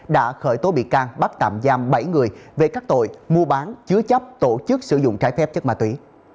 đã khởi tố bị can bắt tạm giam bảy người về các tội mua bán chứa chấp tổ chức sử dụng trái phép chất ma túy